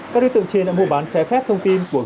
các đối tượng trên đã mua bán trái phép thông tin